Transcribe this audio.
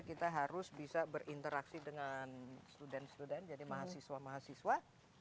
kita harus bisa berinteraksi dengan student student jadi mahasiswa mahasiswa